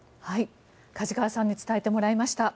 梶川さんに伝えてもらいました。